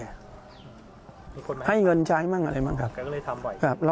มีคนไหมครับอะไรบ่อยไม่มีคนไหมให้เงินใช้มั่งอะไรบ่อยครับ